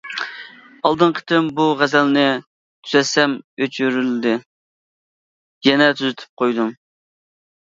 ئالدىنقى قېتىم بۇ غەزەلنى تۈزەتسەم ئۆچۈرۈلدى، يەنە تۈزىتىپ قويدۇم.